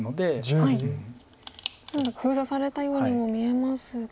何だか封鎖されたようにも見えますが。